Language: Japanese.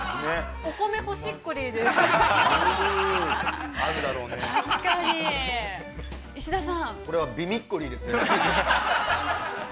お米欲しっこりーです。